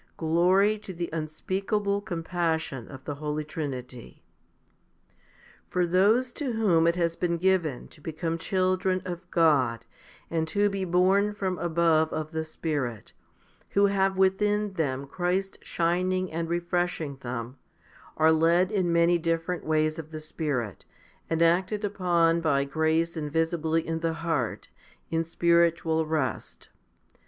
Glory to the unspeakable compassion of the Holy Trinity. 7. For those to whom it has been given to become children of God, and to be born from above of the Spirit, who have within them Christ shining and refreshing them, are led in many different ways of the Spirit, and acted upon by grace invisibly in the heart, in spiritual rest.